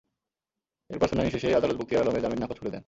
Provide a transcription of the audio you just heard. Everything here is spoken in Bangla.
এরপর শুনানি শেষে আদালত বখতিয়ার আলমের জামিন আবেদন নাকচ করে দেন।